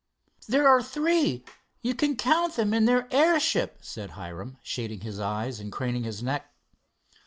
"There are three you can count them in their airship," said Hiram, shading his eyes and craning his neck.